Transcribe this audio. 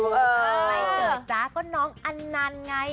เกิดจากก็น้องอันนานไง